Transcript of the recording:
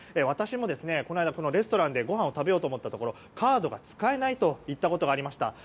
私もこの間レストランでごはんを食べようと思ったところカードが使えないといったことがありました。